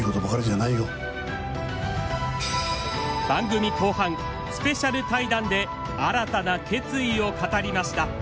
番組後半スペシャル対談で新たな決意を語りました。